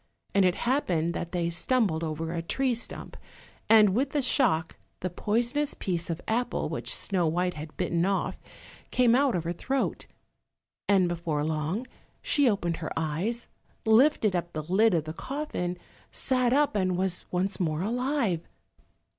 And it happened that they stumbled over a tree stump, and with the shock the poisonous piece of apple which Snow white had bitten off came out of her throat. And before long she opened her eyes, lifted up the lid of the coffin, sat up, and was once more alive.